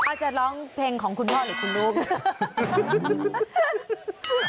อาจจะร้องเพลงของคุณพ่อหรือคุณลูก